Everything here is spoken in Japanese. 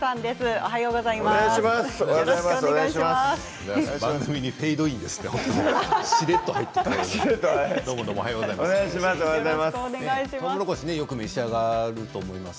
おはようございます。